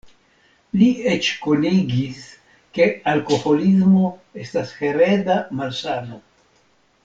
Li eĉ konigis, ke alkoholismo estas hereda malsano.